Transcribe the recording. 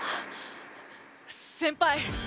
先輩。